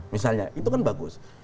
misalnya itu kan bagus